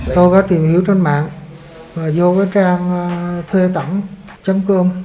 tôi đã tìm hiểu trên mạng vô trang thuê tẩm com